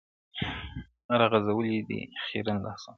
راغزولي دي خیرن لاسونه-